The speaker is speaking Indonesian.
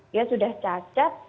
dia sudah cacat